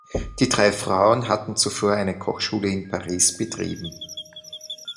Die drei Frauen hatten zuvor eine Kochschule in Paris betrieben.